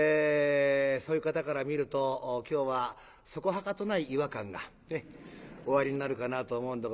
そういう方から見ると今日はそこはかとない違和感がおありになるかなと思うんでございます。